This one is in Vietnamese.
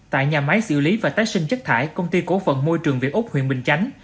tại nhà máy xử lý và tái sinh chất thải công ty cố phận môi trường việt úc huyện bình chánh